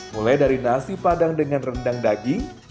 mulai dari nasi padang dengan rendang daging